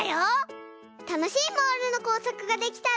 たのしいモールのこうさくができたら。